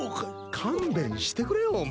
勘弁してくれよもう。